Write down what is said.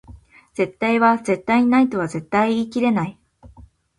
絶対は絶対にないとは絶対言い切れない